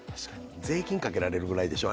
税金かけられるぐらいでしょ。